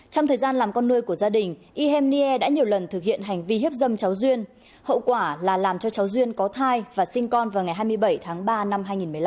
trong thời gian làm con nuôi của gia đình ihem nir đã nhiều lần thực hiện hành vi hiếp dâm cháu duyên hậu quả là làm cho cháu duyên có thai và sinh con vào ngày hai mươi bảy tháng ba năm hai nghìn một mươi năm